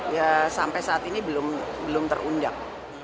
ya sampai saat ini belum terundang